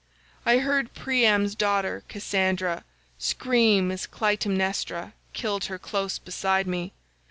I heard Priam's daughter Cassandra scream as Clytemnestra killed her close beside me.